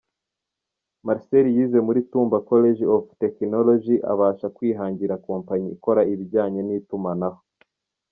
Marcel yize muri Tumba kolegi ovu Tekinonoloji abasha kwihangira kompanyi ikora ibijyanye n’itumanaho.